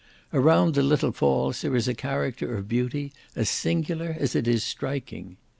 Around the little falls there is a character of beauty as singular as it is striking.